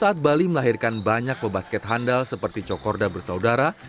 saat bali melahirkan banyak pebasket handal seperti cokorda bersaudara